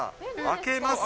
開けます。